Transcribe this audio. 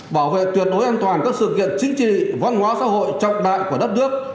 bảo vệ tuyệt đối an toàn các sự kiện chính trị văn hóa xã hội trọng đại của đất nước